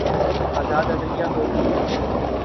آزاد عدلیہ ہو گی۔